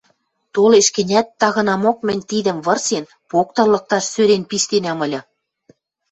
Толеш гӹнят, тагынамок мӹнь тидӹм вырсен, поктыл лыкташ сӧрен пиштенӓм ыльы.